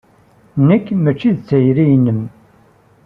Nekk mačči d tayri-inem.